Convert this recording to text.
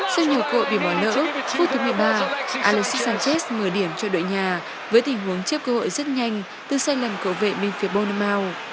sau nhiều cội bị bỏ lỡ phút thứ một mươi ba alexis sanchez mở điểm cho đội nhà với tình huống chiếp cơ hội rất nhanh từ sai lầm cầu vệ bên phía bonnemao